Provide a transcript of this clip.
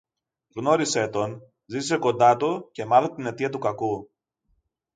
γνώρισε τον, ζήσε κοντά του και μάθε την αιτία του κακού.